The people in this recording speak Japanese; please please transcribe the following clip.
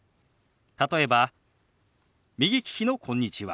例えば右利きの「こんにちは」。